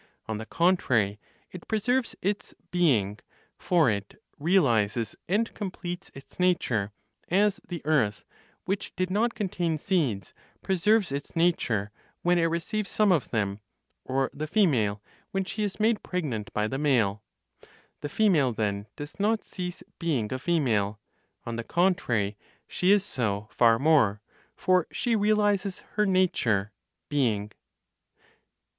On the contrary, it preserves its "being" for it, realizes and completes its nature; as the earth which did not contain seeds (preserves its nature) when it receives some of them; or the female, when she is made pregnant by the male. The female, then, does not cease being a female; on the contrary she is so far more, for she realizes her nature ("being").